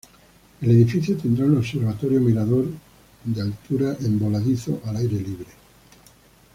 El edificio tendrá un observatorio-mirador a de altura en voladizo al aire libre.